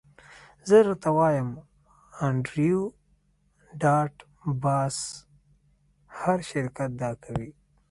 زه درته وایم انډریو ډاټ باس هر شرکت دا کوي